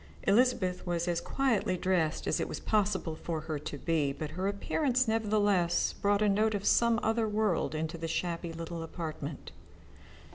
Elizabeth was as quietly dressed as it was possible for her to be, but her appearance nevertheless brought a note of some other world into the shabby little apartment.